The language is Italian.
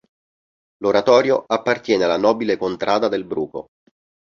L'oratorio appartiene alla Nobile Contrada del Bruco.